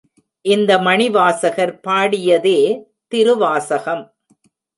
இந்த மணிவாசகர் பாடியதே திருவாசகம்.